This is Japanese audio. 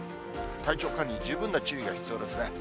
体調管理に十分な注意が必要ですね。